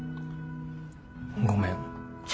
ごめん。